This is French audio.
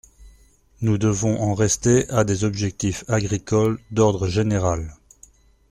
Nous devons en rester à des objectifs agricoles d’ordre général.